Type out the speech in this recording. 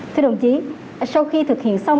thưa đồng chí sau khi thực hiện xong